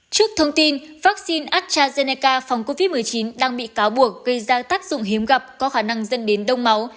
trước thông tin vaccine astrazeneca phòng covid một mươi chín đang bị cáo buộc gây ra tác dụng hiếm gặp có khả năng dẫn đến đông máu